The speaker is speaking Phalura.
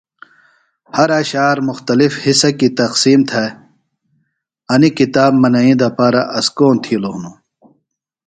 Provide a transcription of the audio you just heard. ہر اشعار مختلف حصہ کیۡ تقسیم تھےࣿ انیۡ کتاب مناٹی دپارہ اسکون تِھیلوۡ ہِنوࣿ۔